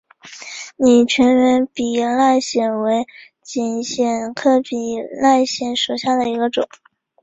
拟全缘比赖藓为锦藓科比赖藓属下的一个种。